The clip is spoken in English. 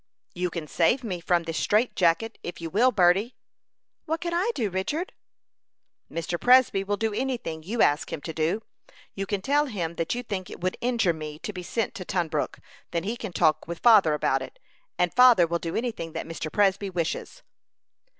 "You can save me from this strait jacket, if you will, Berty." "What can I do, Richard?" "Mr. Presby will do any thing you ask him to do. You can tell him that you think it would injure me to be sent to Tunbrook. Then he can talk with father about it; and father will do any thing that Mr. Presby wishes."